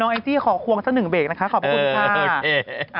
แองจี้ขอควงสักหนึ่งเบรกนะคะขอบคุณค่ะ